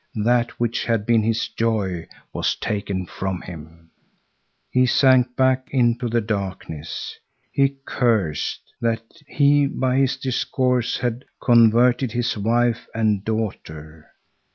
That which had been his joy was taken from him. He sank back into the darkness. He cursed, that he by his discourse had converted his wife and daughter.